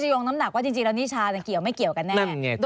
ใช่แต่หมายถึงว่าเขารู้จากคดีนี้ไง